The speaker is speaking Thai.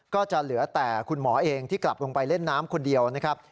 ก็จะเหลือแต่คุณหมอเองที่กลับลงไปเล่นน้ำคนเดียวนะครับ